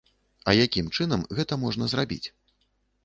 А якім чынам гэта можна зрабіць?